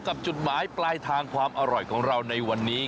จุดหมายปลายทางความอร่อยของเราในวันนี้